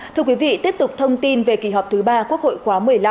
thưa quý vị tiếp tục thông tin về kỳ họp thứ ba quốc hội khóa một mươi năm